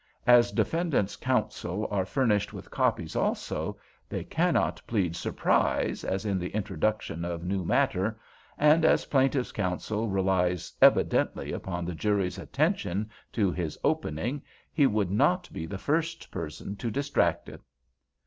As defendant's counsel are furnished with copies also, they cannot plead 'surprise,' as in the introduction of new matter, and as plaintiff's counsel relies evidently upon the jury's attention to his opening, he would not be the first person to distract it."